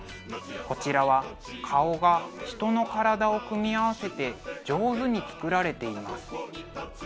こちらは顔が人の体を組み合わせて上手に作られています。